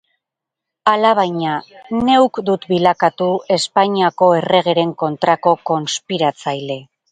Alabaina, neuk dut bilakatu Espainiako erregeren kontrako konspiratzaile.